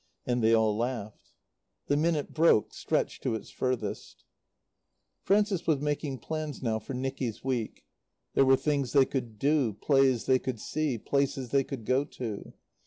And they all laughed. The minute broke, stretched to its furthest. Frances was making plans now for Nicky's week. There were things they could do, plays they could see, places they could go to.